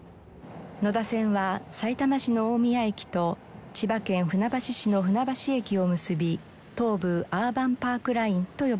野田線はさいたま市の大宮駅と千葉県船橋市の船橋駅を結び東武アーバンパークラインと呼ばれています。